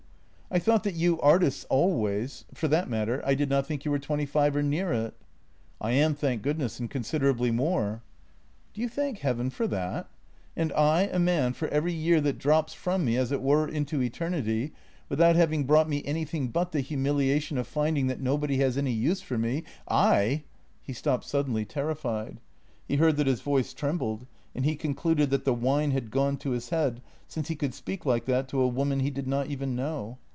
I thought that you artists always. ... For that matter, I did not think you were twenty five or near it." " I am, thank goodness, and considerably more." " Do you thank Heaven for that? And I, a man, for every year that drops from me as it were into eternity, without having brought me anything but the humiliation of finding that no body has any use for me — I " He stopped suddenly, terrified. He heard that his voice trembled, and he concluded that the wine had gone to his head, since he could speak like that to a woman he did not even know.